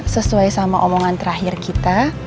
sesuai sama omongan terakhir kita